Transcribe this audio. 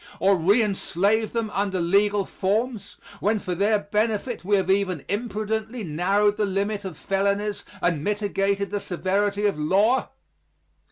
Or re enslave them under legal forms, when for their benefit we have even imprudently narrowed the limit of felonies and mitigated the severity of law?